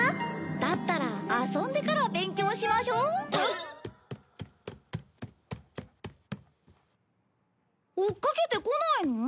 だったら遊んでからお勉強しましょ！追っかけてこないの？